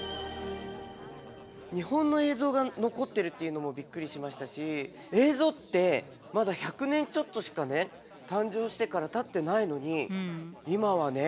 日本の映像が残ってるっていうのもびっくりしましたし映像ってまだ１００年ちょっとしかね誕生してからたってないのに今はね